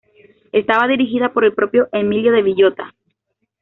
Estaba dirigida por el propio Emilio de Villota.